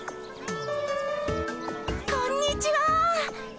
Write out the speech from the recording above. こんにちは。